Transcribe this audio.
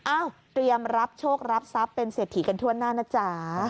เตรียมรับโชครับทรัพย์เป็นเศรษฐีกันทั่วหน้านะจ๊ะ